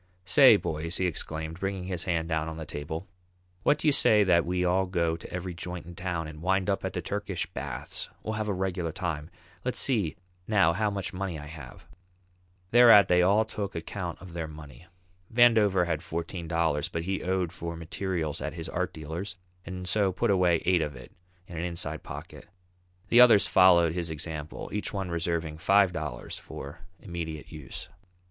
"Say, boys," he exclaimed, bringing his hand down on the table, "what do you say that we all go to every joint in town, and wind up at the Turkish baths? We'll have a regular time. Let's see now how much money I have." Thereat they all took account of their money. Vandover had fourteen dollars, but he owed for materials at his art dealer's, and so put away eight of it in an inside pocket. The others followed his example, each one reserving five dollars for immediate use.